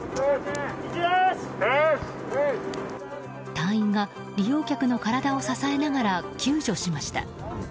隊員が利用客の体を支えながら救助しました。